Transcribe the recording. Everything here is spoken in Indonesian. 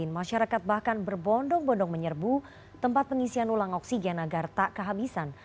masyarakat bahkan berbondong bondong menyerbu tempat pengisian ulang oksigen agar tak kehabisan